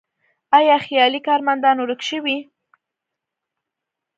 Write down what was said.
آیا خیالي کارمندان ورک شوي؟